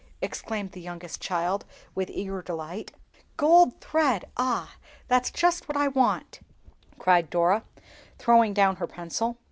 exclaimed the youngest child with eager delight. "Gold thread—ah! that's just what I want!" cried Dora, throwing down her pencil.